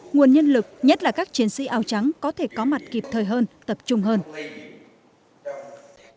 nguồn nhân lực nhất là các chiến sĩ áo trắng có thể có mặt kịp thời hơn tập trung hơn